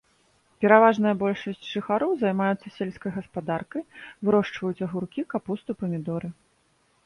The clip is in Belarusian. Пераважная большасць жыхароў займаюцца сельскай гаспадаркай, вырошчваюць агуркі, капусту, памідоры.